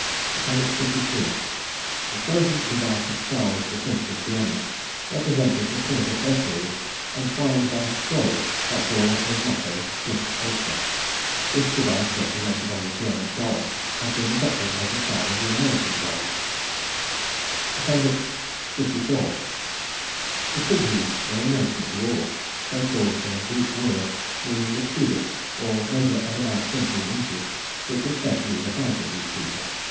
LIII The chosen device of Charles V. of Germany represented the Pillars of Hercules entwined by a scroll that bore his motto "Plus Ultra." This device, represented on the German dollar, has been adopted as the sign of the American dollar ($). LIV The Pygmies were a nation of dwarfs, so called from a Greek word meaning the cubit or measure of about thirteen inches, which was said to be the height of these people.